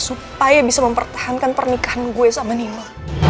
supaya bisa mempertahankan pernikahan gue sama nima